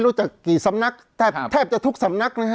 จริงผมไม่อยากสวนนะฮะเพราะถ้าผมสวนเนี่ยมันจะไม่ใช่เรื่องของการทำร้ายร่างกาย